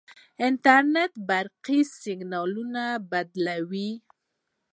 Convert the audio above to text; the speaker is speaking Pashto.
انټرنیټ برقي سیګنالونه بدلوي.